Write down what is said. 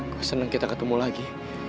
gue seneng kita ketemu lagi